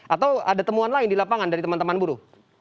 atau ada temuan lain di lapangan dari teman teman buruh